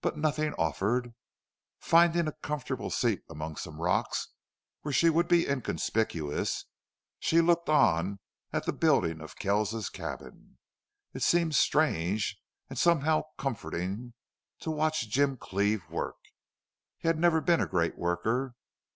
But nothing offered. Finding a comfortable seat among some rocks where she would be inconspicuous, she looked on at the building of Kells's cabin. It seemed strange, and somehow comforting, to watch Jim Cleve work. He had never been a great worker.